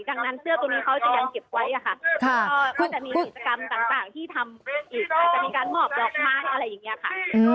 ดังนั้นเสื้อตัวนี้เขาจะยังเก็บไว้ค่ะ